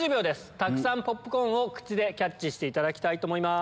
たくさんポップコーンを口でキャッチしていただきたいと思います。